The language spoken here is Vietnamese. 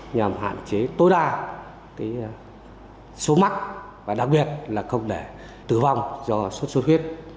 nhằm hạn chế tối đa số mắc và đặc biệt là không để tử vong do sốt xuất huyết